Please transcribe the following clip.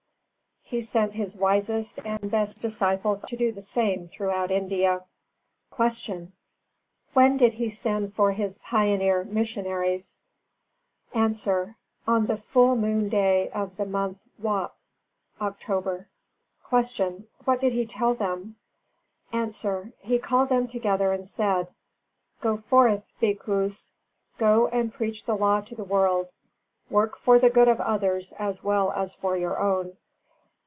He sent his wisest and best disciples to do the same throughout India. 284. Q. When did He send for his pioneer missionaries? A. On the full moon day of the month Wap (October). 285. Q. What did he tell them? A. He called them together and said: "Go forth, Bhikkhus, go and preach the law to the world. Work for the good of others as well as for your own....